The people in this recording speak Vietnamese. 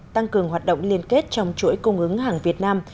tăng cường hoạt động liên kết trong chuỗi cung ứng hàng việt nam